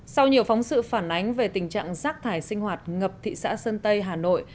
sau nhiều phóng sự phản ánh về tình trạng rác thải sinh hoạt ngập thị xã sơn tây hà nội